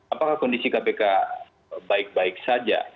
apakah kondisi kpk baik baik saja